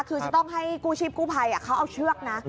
คือจะต้องให้กู้ชีพกู้ภัยเขาเอาเชือกนะ